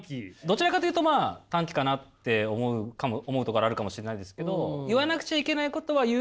どちらかというとまあ短気かなって思うところがあるかもしれないですけど。